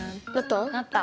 なった？